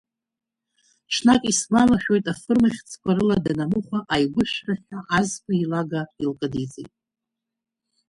Ҽнак, исгәалашәоит афырмахьцқәа рыла данамыхәа аигәышә рҳәҳәа азқәа илага илкыдиҵеит.